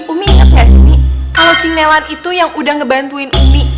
umi inget nggak sih umi kalo cing nelan itu yang udah ngebantuin umi